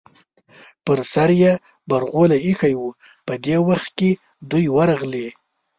پر سر یې برغولی ایښی و، په دې وخت کې دوی ورغلې.